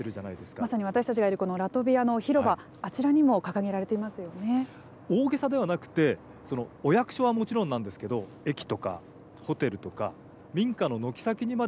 まさに私たちがいるラトビアの広場大げさではなくてお役所はもちろんなんですけれども駅とかホテルとか民家の軒先にまで